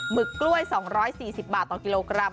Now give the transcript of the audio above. ึกกล้วย๒๔๐บาทต่อกิโลกรัม